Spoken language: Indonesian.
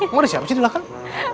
emang ada siapa sih di belakang